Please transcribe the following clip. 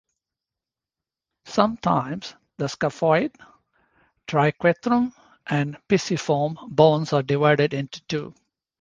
Sometimes the scaphoid, triquetrum, and pisiform bones are divided into two.